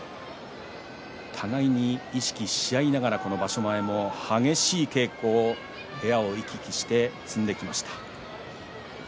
互いに意識し合いながらこの場所前も激しい稽古を部屋を行き来して積んできました。